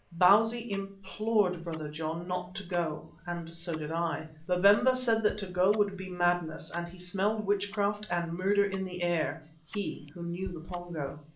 Bausi implored Brother John not to go, and so did I. Babemba said that to go would be madness, as he smelt witchcraft and murder in the air, he who knew the Pongo.